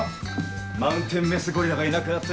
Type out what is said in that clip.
マウンテンメスゴリラがいなくなった